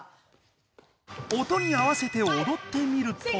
音に合わせておどってみると。